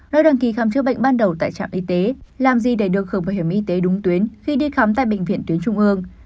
nơi đăng ký khám chữa bệnh ban đầu tại trạm y tế làm gì để được khở hiểm y tế đúng tuyến khi đi khám tại bệnh viện tuyến trung ương